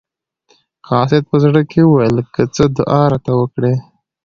قاصد په زړه کې وویل که څه دعا راته وکړي.